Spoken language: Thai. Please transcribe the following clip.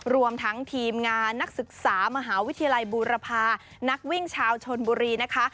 รวมทั้งทีมงานนักศึกษามหาวิทยาลัยบูรพานักวิ่งชาวชนบุรีนะคะ